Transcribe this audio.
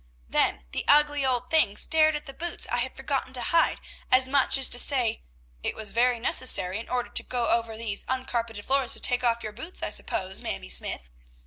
"Then the ugly old thing stared at the boots I had forgotten to hide, as much as to say, 'It was very necessary, in order to go over these uncarpeted floors, to take off your boots, I suppose, Mamie Smythe!'